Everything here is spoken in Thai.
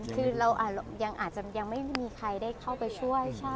คือเรายังไม่มีใครได้เข้าไปช่วย